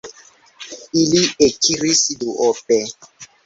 Ili ekiris duope.